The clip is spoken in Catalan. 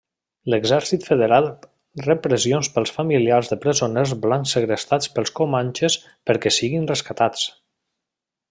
L'exèrcit federat rep pressions pels familiars de presoners blancs segrestats pels comanxes perquè siguin rescatats.